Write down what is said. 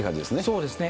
そうですね。